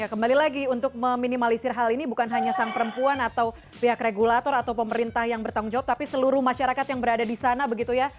kembali lagi untuk meminimalisir hal ini bukan hanya sang perempuan atau pihak regulator atau pemerintah yang bertanggung jawab tapi seluruh masyarakat yang berada di sana begitu ya